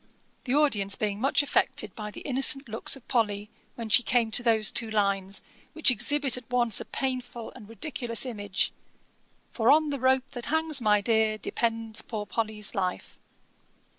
the audience being much affected by the innocent looks of Polly, when she came to those two lines, which exhibit at once a painful and ridiculous image, 'For on the rope that hangs my Dear, Depends poor Polly's life.'